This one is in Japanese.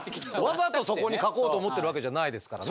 わざとそこにかこうと思ってるわけじゃないですからね。